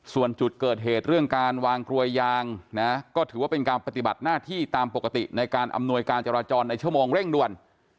ส่วนจุดเกิดเหตุเรื่องการวางกลวยยางนะก็ถือว่าเป็นการปฏิบัติหน้าที่ตามปกติในการอำนวยการจราจรในชั่วโมงเร่งด่วน